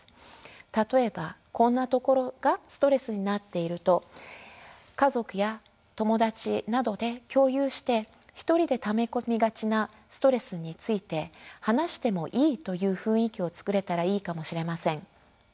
例えばこんなところがストレスになっていると家族や友達などで共有して一人でため込みがちなストレスについて話してもいいという雰囲気をつくれたらいいかもしれません。